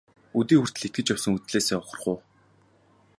Өдий хүртэл итгэж явсан үзлээсээ ухрах уу?